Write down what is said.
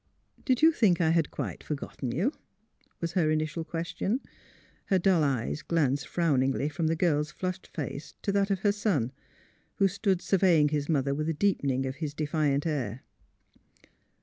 '' Did you think I had quite forgotten you? " was her initial question. Her dull eyes glanced frowningly from the girl's flushed face to that of her son, who stood surveying his mother with a deepening of his defiant air.